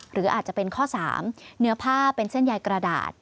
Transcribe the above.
หรืออาจจะเป็นข้อ๓เนื้อผ้าเป็นเส้นใยกระดาษ